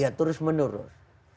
ya terus menerus